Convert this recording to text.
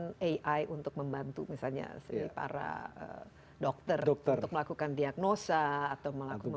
dengan ai untuk membantu misalnya para dokter untuk melakukan diagnosa atau melakukan